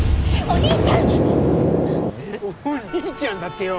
お兄ちゃんだってよ！